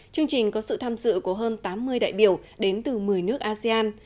chương trình có sự tham dự của hơn tám mươi đại biểu đến từ một mươi nước asean